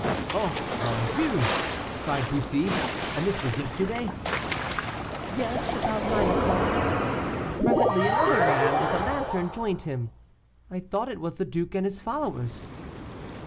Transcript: "Oh! mon dieu!" cried Bussy; "and this was yesterday?" "Yes, about nine o'clock. Presently, another man, with a lantern, joined him. I thought it was the duke and his followers.